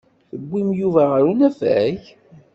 Tewwim Yuba ɣer unafag?